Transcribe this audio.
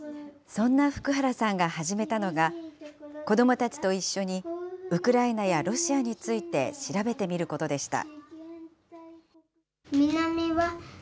そんな福原さんが始めたのが、子どもたちと一緒にウクライナやロシアについて調べてみることでした。